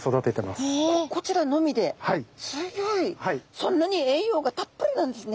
そんなに栄養がたっぷりなんですね。